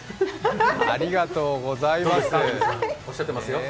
ありがとうございます。